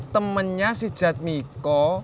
temennya si jadmiko